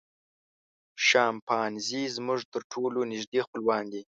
شامپانزي زموږ تر ټولو نږدې خپلوان دي.